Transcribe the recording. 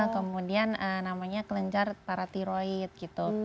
kemudian namanya kelenjar paratiroid gitu